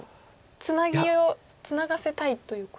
ツナギをツナがせたいということですか。